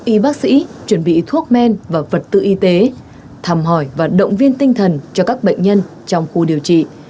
y bác sĩ chuẩn bị thuốc men và vật tư y tế thăm hỏi và động viên tinh thần cho các bệnh nhân trong khu điều trị